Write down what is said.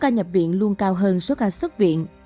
nhập viện luôn cao hơn số ca xuất viện